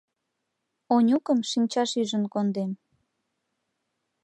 Онюкым шинчаш ӱжын кондем.